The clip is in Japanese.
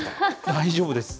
大丈夫です。